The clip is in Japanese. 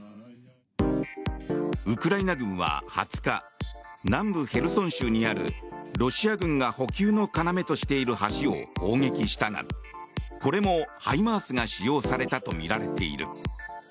ウクライナ軍は２０日南部ヘルソン州にあるロシア軍が補給の要としている橋を砲撃したがこれもハイマースが使用されたとみられている。